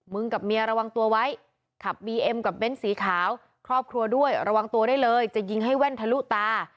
กับเมียระวังตัวไว้ขับบีเอ็มกับเน้นสีขาวครอบครัวด้วยระวังตัวได้เลยจะยิงให้แว่นทะลุตา